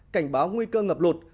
cảnh báo nguy cơ ngập lụt